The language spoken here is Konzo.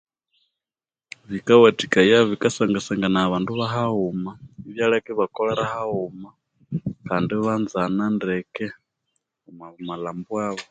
Bikawathikaya, bikasangasanganaya abandu bahaghuma ibyaleka ibakolera haghuma kandi ibanzana ndeke omwa malhambo abo.